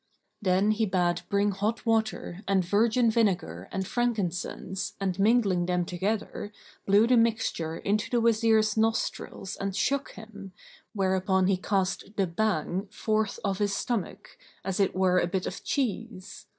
Then he bade bring hot water and virgin vinegar and frankincense[FN#8] and mingling them together, blew the mixture into the Wazir's nostrils and shook him, whereupon he cast the Bhang forth of his stomach, as it were a bit of cheese.